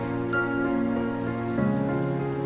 aku masih bercinta sama kamu